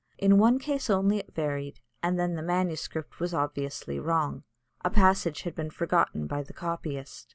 In one case only it varied, and then the MS. was obviously wrong a passage had been forgotten by the copyist.